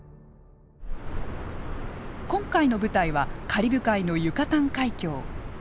今回の舞台はカリブ海のユカタン海峡。